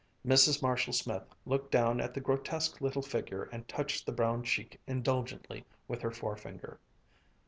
Mrs. Marshall Smith looked down at the grotesque little figure and touched the brown cheek indulgently with her forefinger.